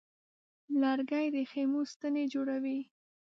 لرګی د خیمو ستنې جوړوي.